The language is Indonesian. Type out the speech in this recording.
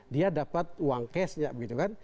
dia dapat uang cash